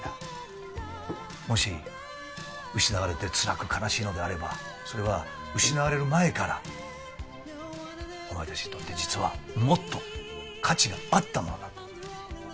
もし失われてつらく悲しいのであればそれは失われる前からお前たちにとって実はもっと価値があったものなのだ。